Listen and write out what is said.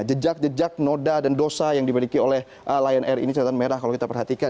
jejak jejak noda dan dosa yang dimiliki oleh lion air ini catatan merah kalau kita perhatikan